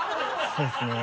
そうですね。